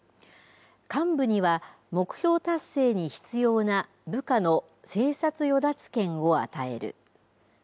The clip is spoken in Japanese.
幹部には目標達成に必要な部下の生殺与奪権を与える。